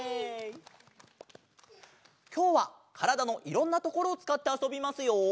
きょうはからだのいろんなところをつかってあそびますよ！